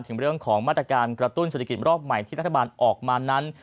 ถึงเรื่องของมาตรการกระตุ้นเศรษฐกิจรอบใหม่ที่รัฐบาลออกมานั้น